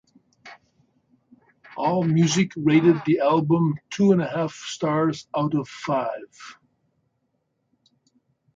"Allmusic" rated the album two and a half stars out of five.